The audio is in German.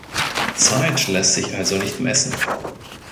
Zeit lässt sich also nicht messen!